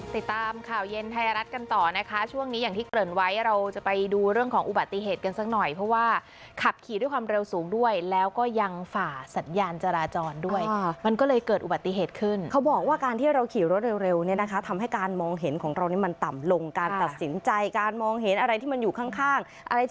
ติดตามข่าวเย็นไทยรัฐกันต่อนะคะช่วงนี้อย่างที่เกริ่นไว้เราจะไปดูเรื่องของอุบัติเหตุกันสักหน่อยเพราะว่าขับขี่ด้วยความเร็วสูงด้วยแล้วก็ยังฝ่าสัญญาณจราจรด้วยมันก็เลยเกิดอุบัติเหตุขึ้นเขาบอกว่าการที่เราขี่รถเร็วเนี่ยนะคะทำให้การมองเห็นของเรานี่มันต่ำลงการตัดสินใจการมองเห็นอะไรที่มันอยู่ข้างข้าง